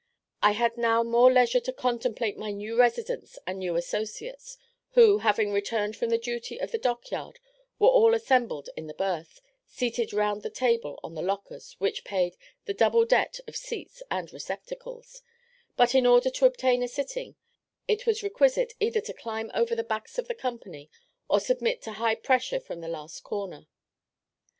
I had now more leisure to contemplate my new residence and new associates, who, having returned from the duty of the dock yard, were all assembled in the berth, seated round the table on the lockers, which paid "the double debt" of seats and receptacles; but in order to obtain a sitting, it was requisite either to climb over the backs of the company, or submit to "high pressure" from the last comer.